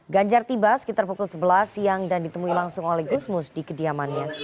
ganjar tiba sekitar pukul sebelas siang dan ditemui langsung oleh gusmus di kediamannya